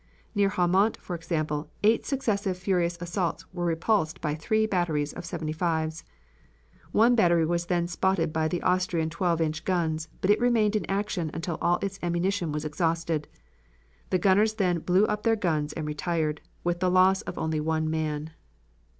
Near Haumont, for example, eight successive furious assaults were repulsed by three batteries of 75's. One battery was then spotted by the Austrian twelve inch guns, but it remained in action until all its ammunition was exhausted. The gunners then blew up their guns and retired, with the loss of only one man.